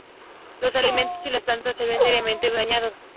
Los alimentos y las plantas se ven seriamente dañados.